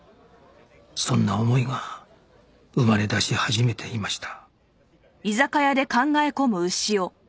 そんな思いが生まれだし始めていました